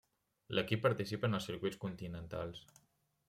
L'equip participa en els circuits continentals.